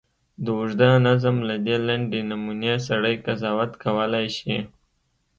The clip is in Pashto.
د اوږده نظم له دې لنډې نمونې سړی قضاوت کولای شي.